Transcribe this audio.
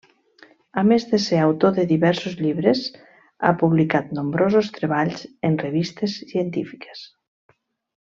A més de ser autor de diversos llibres, ha publicat nombrosos treballs en revistes científiques.